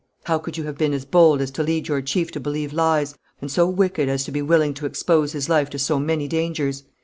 How could you have been as bold as to lead your chief to believe lies, and so wicked as to be willing to expose his life to so many dangers?